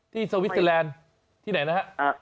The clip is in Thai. ที่เซาวิสเซแลนด์ที่ไหนนะครับ